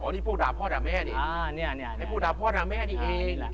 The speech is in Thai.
นี่พวกด่าพ่อด่าแม่นี่พวกด่าพ่อด่าแม่นี่เอง